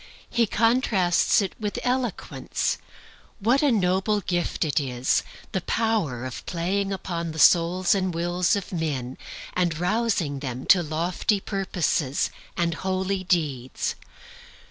He contrasts it with eloquence. And what a noble gift it is, the power of playing upon the souls and wills of men, and rousing them to lofty purposes and holy deeds!